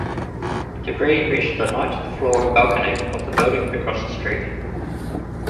Debris reached the ninth-floor balcony of the building across the street.